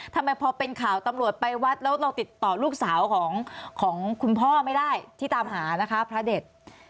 ทำไมพอเป็นข่าวตำรวจไปวัดแล้วเราติดต่อลูกสาวของคุณพ่อไม่ได้ที่ตามหานะคะพระเด็ด